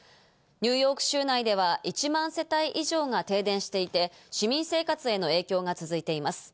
ニューヨーク州内では１万世帯以上が停電していて、市民生活への影響が続いています。